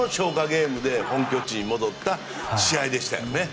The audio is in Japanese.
ゲームで本拠地に戻った試合でしたよね。